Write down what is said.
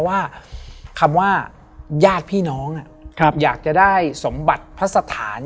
ว่าคำว่าญาติพี่น้องอยากจะได้สมบัติพระสถาน